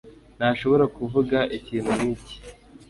Ntashobora kuvuga ikintu nkiki